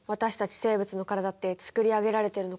生物の体ってつくり上げられてるのかなあ。